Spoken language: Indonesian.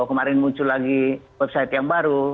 kemarin muncul lagi website yang baru